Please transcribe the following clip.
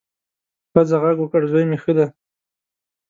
ښځه غږ وکړ، زوی مې ښه دی.